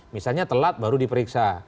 misalnya telat baru diperiksa